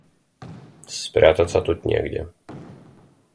Спрятаться тут негде.